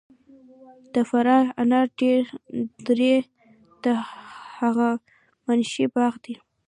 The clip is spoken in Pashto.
د فراه انار درې د هخامنشي باغ دی